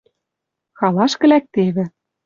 Халашкы лӓктевӹ.